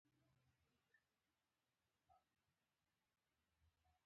د ورون هډوکی د بدن تر ټولو لوی او کلک هډوکی دی